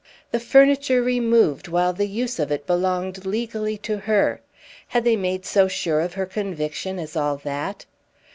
The furniture removed while the use of it belonged legally to her! Had they made so sure of her conviction as all that?